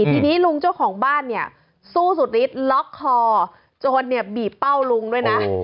ทีนี้ลุงเจ้าของบ้านเนี่ยสู้สุดฤทธิล็อกคอโจรเนี่ยบีบเป้าลุงด้วยนะ